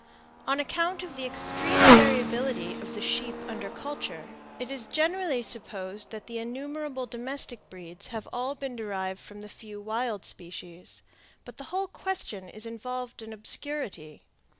On account of the extreme variability of the sheep under culture, it is generally supposed that the innumerable domestic breeds have all been derived from the few wild species; but the whole question is involved in obscurity.